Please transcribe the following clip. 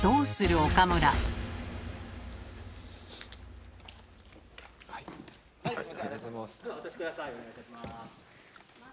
お願いいたします。